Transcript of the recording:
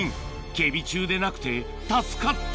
警備中でなくて助かった